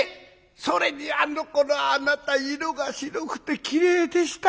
それにあのころあなた色が白くてきれいでした。